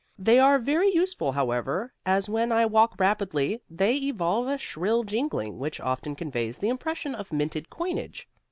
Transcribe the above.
They are very useful, however, as when I walk rapidly they evolve a shrill jingling which often conveys the impression of minted coinage.